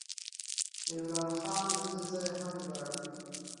عمرا خان له دې ځایه هم ولاړ.